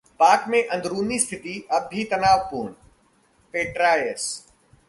पाक में अंदरूनी स्थिति अब भी तनावपूर्ण: पेट्रायस